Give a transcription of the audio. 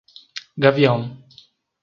Gavião